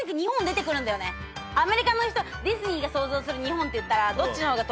アメリカの人ディズニーが想像する日本っていったらどっちの方が。